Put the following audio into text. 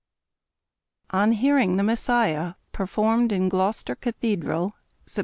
ON HEARING "THE MESSIAH" PERFORMED IN GLOUCESTER CATHEDRAL, SEPT.